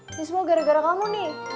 ini semua gara gara kamu nih